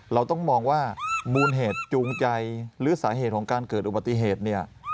เราต้องมองว่ามูลเหตุจูงใจหรือสาเหตุของการเกิดอุบัติเหตุเนี่ย